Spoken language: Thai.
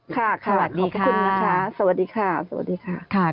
ขอบคุณค่ะสวัสดีค่ะ